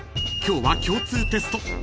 ［今日は共通テスト］